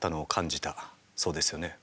そうですよね？